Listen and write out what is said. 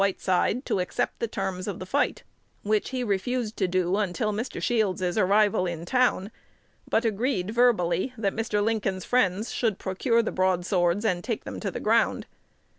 Whiteside to accept the terms of the fight, which he refused to do until Mr. Shields's arrival in town, but agreed, verbally, that Mr. Lincoln's friends should procure the broadswords, and take them to the ground.